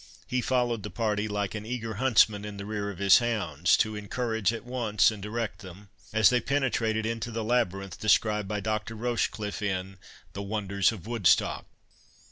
he followed the party, like an eager huntsman in the rear of his hounds, to encourage at once and direct them, as they penetrated into the labyrinth described by Dr. Rochecliffe in the "Wonders of Woodstock."